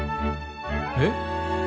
えっ？